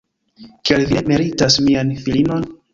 Kial vi ne meritas mian filinon?